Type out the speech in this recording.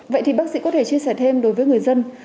vậy thì bác sĩ có thể chia sẻ thêm đối với người dân